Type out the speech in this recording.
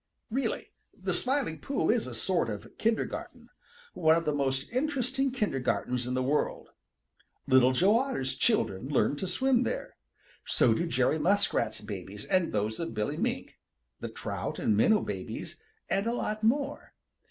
Really the Smiling Pool is a sort of kindergarten, one of the most interesting kindergartens in the world. Little Joe Otter's children learn to swim there. So do Jerry Muskrat's babies and those of Billy Mink, the Trout and Minnow babies, and a lot more.